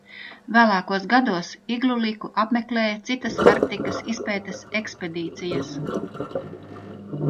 Vēlākos gados Igluliku apmeklēja citas Arktikas izpētes ekspedīcijas.